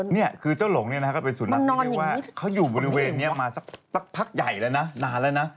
นี่คือเจ้าหลงเนี่ยนะฮะก็เป็นสุนัขที่เรียกว่าเขาอยู่บริเวณนี้มาสักพักใหญ่แล้วนะนานแล้วนะ